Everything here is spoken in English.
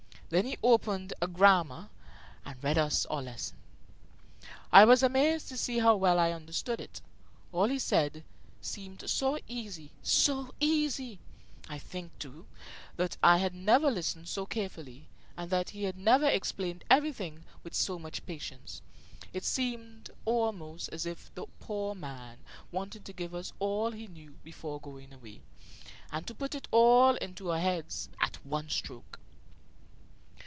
Then he opened a grammar and read us our lesson. I was amazed to see how well I understood it. All he said seemed so easy, so easy! I think, too, that I had never listened so carefully, and that he had never explained everything with so much patience. It seemed almost as if the poor man wanted to give us all he knew before going away, and to put it all into our heads at one stroke.